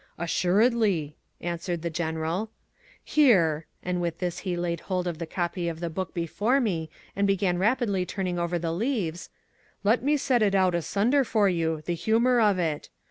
"Assuredly," answered the General. "Here" and with this he laid hold of the copy of the book before me and began rapidly turning over the leaves "let me set it out asunder for you, the humour of it.